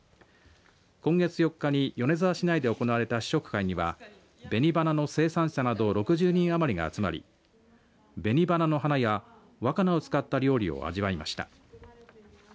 今月４日に米沢市内で行われた試食会には紅花の生産者など６０人余りが集まり紅花の花や若菜を使った料理を味わいました。